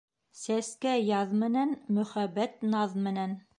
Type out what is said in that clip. Сәскә яҙ менән, мөхәббәт наҙ менән.